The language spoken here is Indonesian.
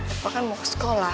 apa kan mau ke sekolah